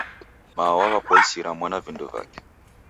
Mao waw'apoisira mwana vindo vake